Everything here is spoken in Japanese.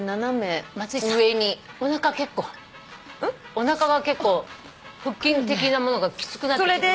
おなかが結構腹筋的なものがきつくなってきた。